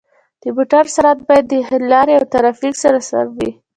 د موټر سرعت باید د لارې او ترافیک سره سم وي.